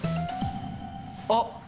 あっ！